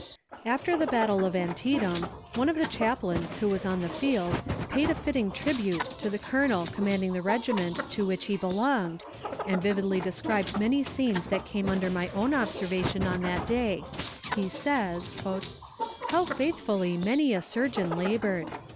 After the battle of Antietam, one of the chaplains who was on the field paid a fitting tribute to the colonel commanding the regiment to which he belonged, and vividly described many scenes that came under my own observation on that day, he says: "How faithfully many a surgeon labored!